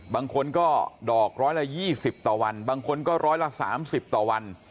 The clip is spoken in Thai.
บางคนก็ดอกร้อยละยี่สิบต่อวันบางคนก็ร้อยละสามสิบต่อวัน